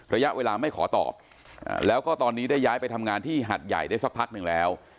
ระยะเวลาไม่ขอตอบแล้วก็ตอนนี้ได้ย้ายไปทำงานที่หัดใหญ่ได้สักพักหนึ่งแล้ว